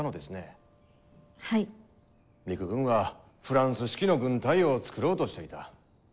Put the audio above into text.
陸軍はフランス式の軍隊を作ろうとしていた。